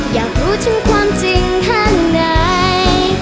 อยากรู้ถึงความจริงข้างไหน